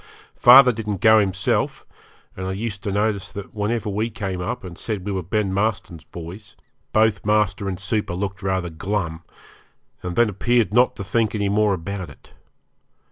Father didn't go himself, and I used to notice that whenever we came up and said we were Ben Marston's boys both master and super looked rather glum, and then appeared not to think any more about it.